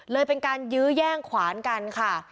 เลยเป็นการยื้อแย่งขวานกันค่ะ